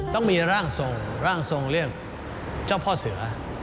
ต้องมีร่างทรงร่างทรงเรื่องเจ้าพ่อเสือ